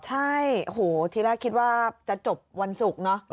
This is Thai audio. ใช่โหทีแรกคิดว่าจะจบวันศุกร์เนอะ